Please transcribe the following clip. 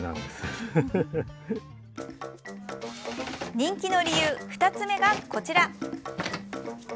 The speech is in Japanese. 人気の理由２つ目がこちら。